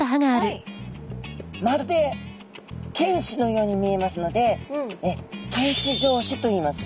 まるで犬歯のように見えますので犬歯状歯といいます。